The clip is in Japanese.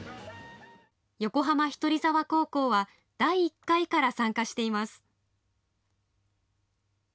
横浜氷取沢高校は第１回から参加しています。